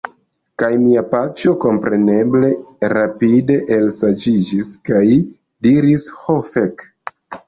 Kaj mia paĉjo, kompreneble, rapide elseĝiĝis, kaj diris: "Ho fek!"